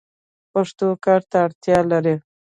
پښتو کار ته اړتیا لري.